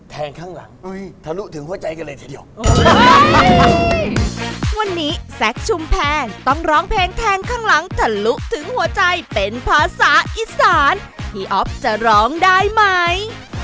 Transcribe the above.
ข้างหลังทะลุถึงหัวใจกันเลยทีเดียววันนี้แซคชุมแพงต้องร้องเพลงแทงข้างหลังทะลุถึงหัวใจเป็นภาษาอีสานพี่อ๊อฟจะร้องได้ไหม